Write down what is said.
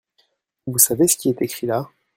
Vous savez ce qui est écrit là ?